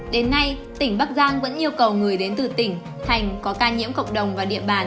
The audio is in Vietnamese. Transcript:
đến nay tỉnh bắc giang vẫn yêu cầu người đến từ tỉnh thành có ca nhiễm cộng đồng và địa bàn